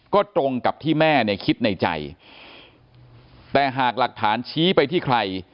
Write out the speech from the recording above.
ก็ตรงกับที่แม่เนี่ยคิดในใจแต่หากหลักฐานชี้ไปที่ใคร